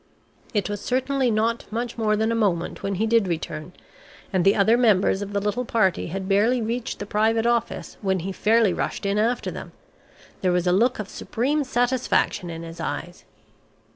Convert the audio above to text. It was certainly not much more than a moment when he did return, and the other members of the little party had barely reached the private office when he fairly rushed in after them. There was a look of supreme satisfaction in his eyes.